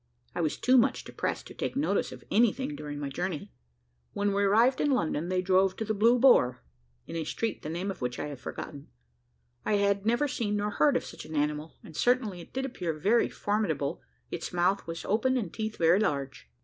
I was too much depressed to take notice of any thing during my journey. When we arrived in London, they drove to the Blue Boar (in a street, the name of which I have forgotten). I had never seen or heard of such an animal, and certainly it did appear very formidable; its mouth was open and teeth very large.